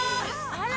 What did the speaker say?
あら！